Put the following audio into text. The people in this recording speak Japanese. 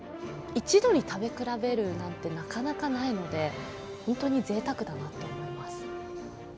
一度に食べ比べるなんてなかなかないので本当にぜいたくだなと思います。